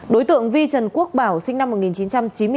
đối tượng vi trần quốc bảo sinh năm hai nghìn một mươi một